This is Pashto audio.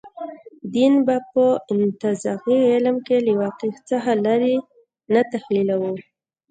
دین به په انتزاعي عالم کې له واقع څخه لرې نه تحلیلوو.